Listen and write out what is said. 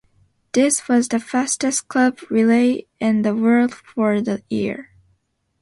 This was the fastest Club Relay in the World for that year.